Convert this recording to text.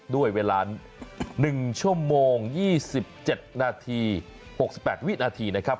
ด้วยเวลาหนึ่งชั่วโมงยี่สิบเจ็ดนาที๖๘วินาทีนะครับ